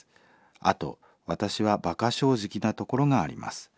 あと私はばか正直なところがあります。